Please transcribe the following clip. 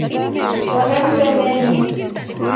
Hondee mtremeni.